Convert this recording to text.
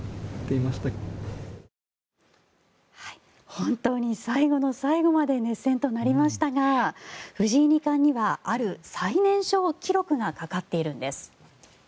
本当に最後の最後まで熱戦となりましたが藤井二冠には、ある最年少記録がかかっているんです。